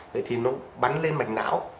thế thì nó bắn lên mạch não